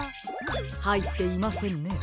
はいっていませんね。